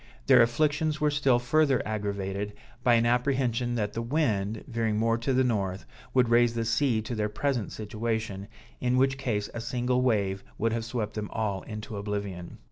Their afflictions were still further aggravated by an apprehension that the wind, veering more to the north, would raise the sea to their present situation, in which case a single wave would have swept them all into oblivion.